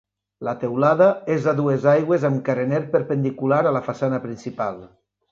La teulada és a dues aigües amb carener perpendicular a la façana principal.